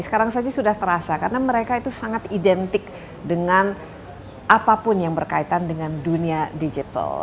sekarang saja sudah terasa karena mereka itu sangat identik dengan apapun yang berkaitan dengan dunia digital